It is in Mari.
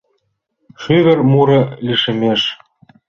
Шӱвыр муро лишемеш